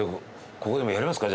ここでもやりますか？